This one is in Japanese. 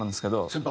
先輩！